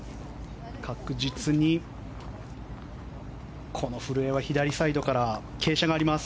確実に、この古江は左サイドから傾斜があります。